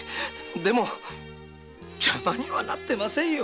でも邪魔にはなってませんよ。